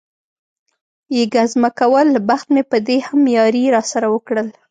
یې ګزمه کول، بخت مې په دې هم یاري را سره وکړل.